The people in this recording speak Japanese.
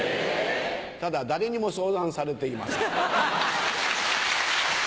ただ誰にも相談されていません。